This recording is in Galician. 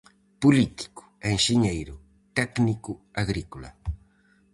Político e enxeñeiro técnico agrícola.